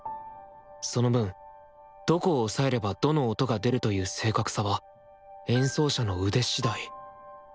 その分どこを押さえればどの音が出るという正確さは演奏者の腕次第。